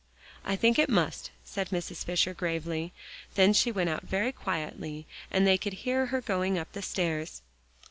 "I think it must," said Mrs. Fisher gravely. Then she went out very quietly and they could hear her going up the stairs.